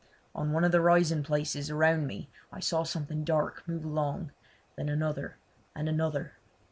On one of the rising places around me I saw something dark move along, then another, and another.